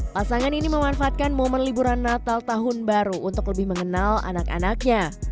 pasangan ini memanfaatkan momen liburan natal tahun baru untuk lebih mengenal anak anaknya